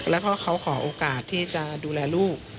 แล้วก็เขาขอโอกาสที่จะดูแลลูก